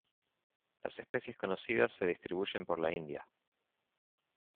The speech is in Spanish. Las especies conocidas se distribuyen por la India.